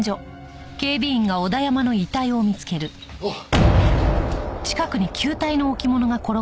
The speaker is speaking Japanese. あっ！